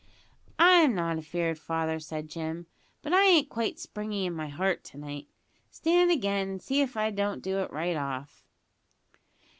"I'm not afeard, father," said Jim; "but I ain't quite springy in my heart to night. Stand again and see if I don't do it right off."